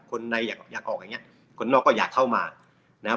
คนในอยากอยากออกอย่างเงี้คนนอกก็อยากเข้ามานะครับ